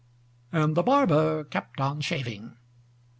And the barber kept on shaving.